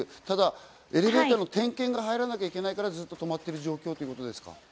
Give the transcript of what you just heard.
ただエレベーターの点検が入らなきゃいけないからずっと止まってる状況ということですか？